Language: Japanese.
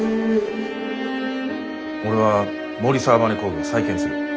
俺は森澤バネ工業を再建する。